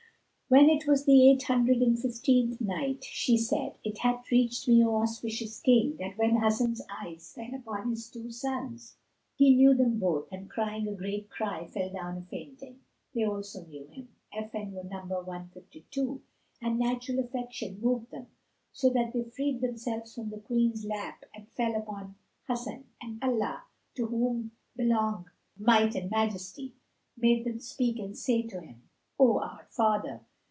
When it was the Eight Hundred and Fifteenth Night, She said, It hath reached me, O auspicious King, that when Hasan's eyes fell upon his two sons, he knew them both and crying a great cry fell down a fainting. They also knew him[FN#152] and natural affection moved them so that they freed themselves from the Queen's lap and fell upon Hasan, and Allah (to whom belong Might and Majesty,) made them speak and say to him, "O our father!"